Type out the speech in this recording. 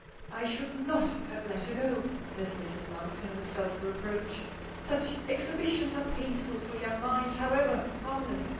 "I should not have let her go," says Mrs. Monkton, with self reproach. "Such exhibitions are painful for young minds, however harmless."